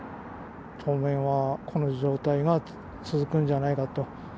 当面はこの状態が続くんじゃないかと。